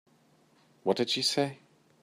What did she say?